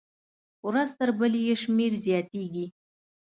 ورځ تر بلې یې شمېر زیاتېږي.